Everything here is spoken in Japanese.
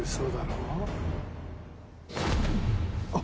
あっ。